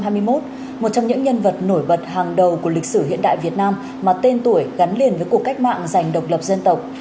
một trong những nhân vật nổi bật hàng đầu của lịch sử hiện đại việt nam mà tên tuổi gắn liền với cuộc cách mạng giành độc lập dân tộc